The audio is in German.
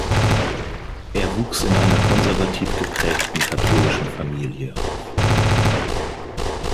Er wuchs in einer konservativ geprägten katholischen Familie auf.